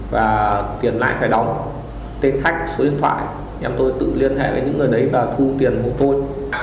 và tiền lại phải đóng tên khách số điện thoại em tôi tự liên hệ với những người đấy và thu tiền của tôi